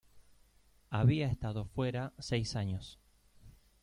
Había estado fuera seis años.